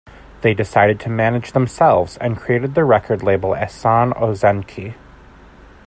They decided to manage themselves and created the record label Esan Ozenki.